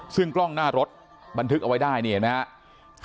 ซึ่งกล้องหน้ารถบันทึกเอาไว้ได้นี่เห็นไหมครับ